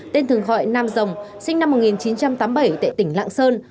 tên thường gọi nam dòng sinh năm một nghìn chín trăm tám mươi bảy tại tỉnh lạng sơn